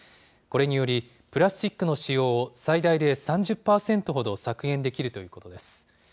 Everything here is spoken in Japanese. これにより、プラスチックの使用を最大で３０％ほど削減できるということです。